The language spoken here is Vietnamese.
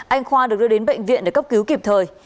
anh khoa được đưa đến bệnh viện để cấp cứu kịp thời